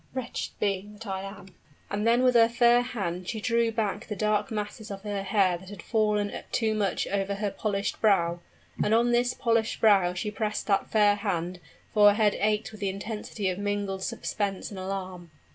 wretched being that I am!" And with her fair hand she drew back the dark masses of her hair that had fallen too much over her polished brow: and on this polished brow she pressed that fair hand, for her head ached with the intensity of mingled suspense and alarm.